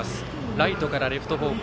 ライトからレフト方向。